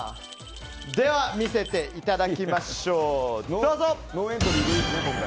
では、見せていただきましょう。